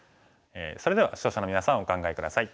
それでは視聴者のみなさんお考え下さい。